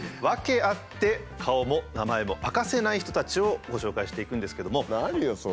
ワケあって顔も名前も明かせない人たちをご紹介していくんですけども。何よ？